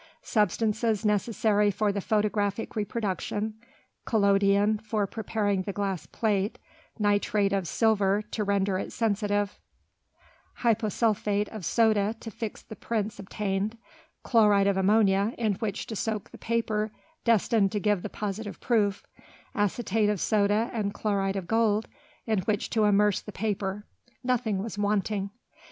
Substances necessary for the photographic reproduction, collodion for preparing the glass plate, nitrate of silver to render it sensitive, hyposulphate of soda to fix the prints obtained, chloride of ammonium in which to soak the paper destined to give the positive proof, acetate of soda and chloride of gold in which to immerse the paper, nothing was wanting.